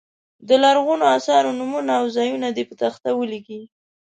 د لرغونو اثارو نومونه او ځایونه دې په تخته ولیکي.